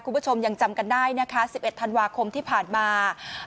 คุณผู้ชมยังจำกันได้นะคะ๑๑ธันวาคมที่ผ่านมา